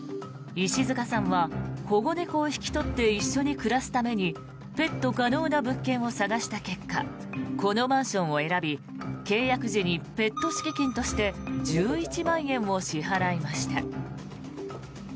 石塚さんは保護猫を引き取って一緒に暮らすためにペット可能な物件を探した結果このマンションを選び契約時にペット敷金として１１万円を支払いました。